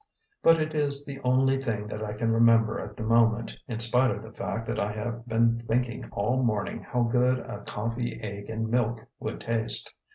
But it is the only thing that I can remember at the moment, in spite of the fact that I have been thinking all morning how good a coffee, egg and milk would taste.